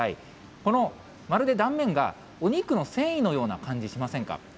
このまるで断面がお肉の繊維のような感じしませんか。